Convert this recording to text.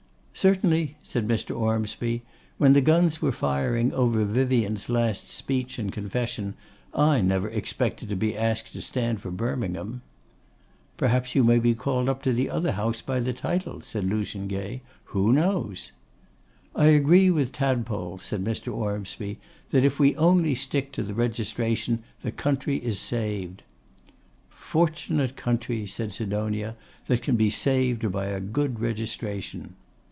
'Certainly,' said Mr. Ormsby, 'when the guns were firing over Vyvyan's last speech and confession, I never expected to be asked to stand for Birmingham.' 'Perhaps you may be called up to the other house by the title,' said Lucian Gay. 'Who knows?' 'I agree with Tadpole,' said Mr. Ormsby, 'that if we only stick to the Registration the country is saved.' 'Fortunate country!' said Sidonia, 'that can be saved by a good registration!